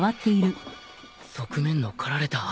あっ側面の刈られた頭。